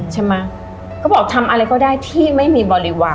เขาบอกทำอะไรก็ได้ที่ไม่มีบริวาร